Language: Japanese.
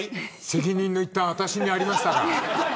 責任の一端は私にありましたか。